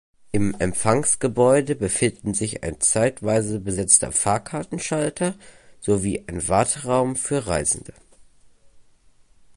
Im Empfangsgebäude befinden sich ein zeitweise besetzter Fahrkartenschalter sowie ein Warteraum für Reisende.